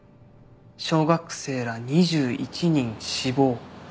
「小学生ら２１人死亡」。